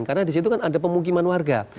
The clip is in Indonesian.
karena di situ kan ada pemukiman warga